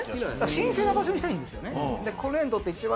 神聖な場所にしたいんですね。